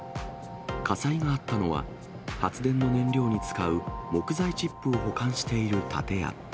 火災があったのは、発電の燃料に使う木材チップを保管している建屋。